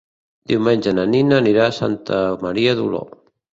Diumenge na Nina anirà a Santa Maria d'Oló.